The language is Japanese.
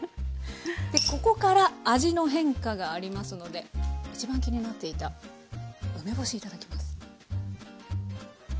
でここから味の変化がありますので一番気になっていた梅干しいただきます。